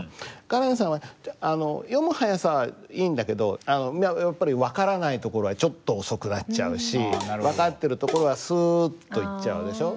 カレンさんは読むはやさはいいんだけどやっぱり分からないところはちょっとおそくなっちゃうし分かってるところはすっといっちゃうでしょ。